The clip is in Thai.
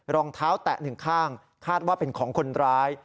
รองเท้าแตะหนึ่งข้างคาดว่าเป็นของคนร้าย